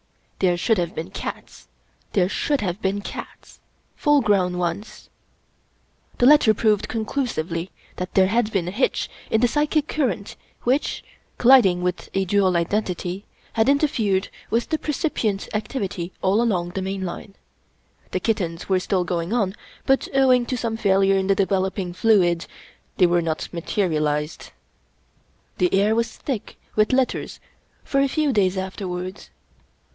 There should have been cats, there should have been cats — ^full grown ones. The letter proved conclusively that there had been a hitch in the psychic current which, col liding with a dual identity, had interfered with the per cipient activity all along the main line. The kittens were still going on, but owing to some failure in the developing fluid, they were not materialized. The air was thick with letters for a few days afterwards.